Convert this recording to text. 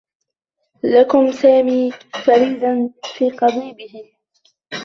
لكم سامي فريدا في قضيبه.